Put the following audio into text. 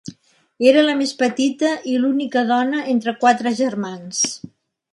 Era la més petita i l'única dona entre quatre germans.